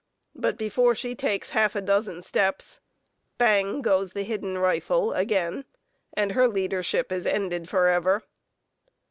But before she takes half a dozen steps "bang!" goes the hidden rifle again, and her leadership is ended forever.